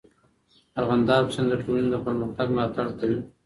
د ارغنداب سیند د ټولنې د پرمختګ ملاتړ کوي.